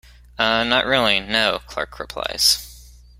"Uh, not really, no", Clark replies.